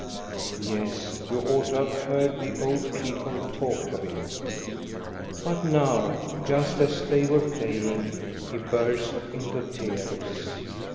Yes, you ought to have heard the old people talk of him. But now, just as they were playing, he burst into tears.